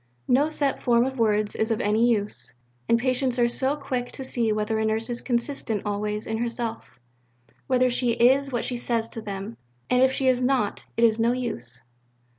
No set form of words is of any use. And patients are so quick to see whether a Nurse is consistent always in herself whether she is what she says to them. And if she is not, it is no use.